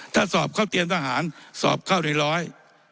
ถ้าสอบเข้าเตรียมทหารสอบเข้าในร้อย